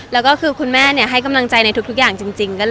แล้วก็คือคุณแม่ให้กำลังใจในทุกอย่างจริง